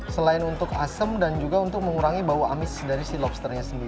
selain untuk asem dan juga untuk mengurangi bau amis dari si lobsternya sendiri